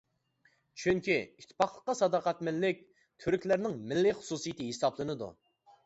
چۈنكى، ئىتتىپاقلىققا ساداقەتمەنلىك تۈركلەرنىڭ مىللىي خۇسۇسىيىتى ھېسابلىنىدۇ.